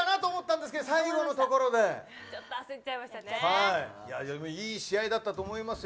でもいい試合だと思いますよ。